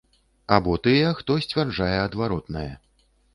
Або тыя, хто сцвярджае адваротнае.